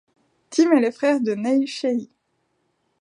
Tim est le frère de Neil Sheehy.